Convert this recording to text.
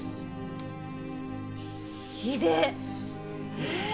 え！